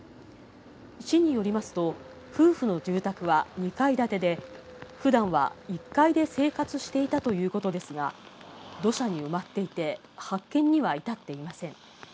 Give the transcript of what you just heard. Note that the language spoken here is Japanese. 市によりますと、夫婦の住宅は２階建てで、ふだんは１階で生活していたということですが、土砂に埋まっていて、発見には至っていません。